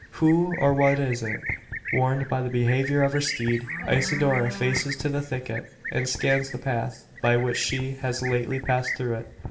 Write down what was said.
Who, or what is it? Warned by the behaviour of her steed, Isidora faces to the thicket, and scans the path by which she has lately passed through it.